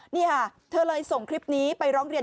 นี่ค่ะเธอเลยส่งคลิปนี้ไปร้องเรียน